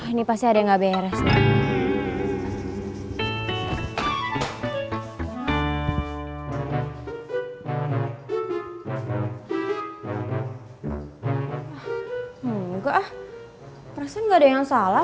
ini pasti ada yang gak beres